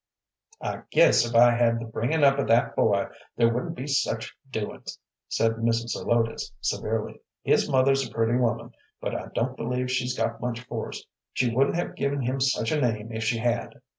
"I guess if I had the bringin' up of that boy there wouldn't be such doin's," said Mrs. Zelotes, severely. "His mother's a pretty woman, but I don't believe she's got much force. She wouldn't have given him such a name if she had."